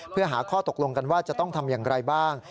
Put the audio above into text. เพื่อหาข้อตกลงกันว่าจะต้องทำอย่างไรบ้าง